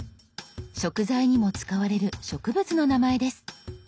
食材にも使われる植物の名前です。